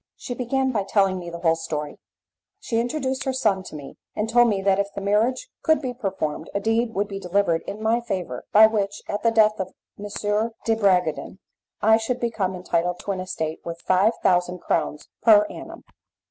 She began by telling me the whole story. She introduced her son to me, and told me that if the marriage could be performed, a deed would be delivered in my favour by which, at the death of M. de Bragadin, I should become entitled to an estate worth five thousand crowns per annum.